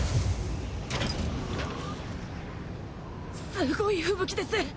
すごい吹雪です。